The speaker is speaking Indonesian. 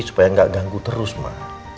supaya nggak ganggu terus mah